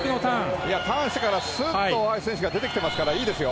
ターンしてからすっと大橋選手が出ていますからいいよですよ。